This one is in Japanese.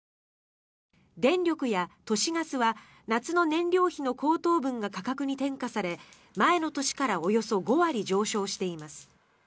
電力や都市ガスは夏の燃料費の高騰分が価格に転嫁され前の年からおよそ５割上昇しています。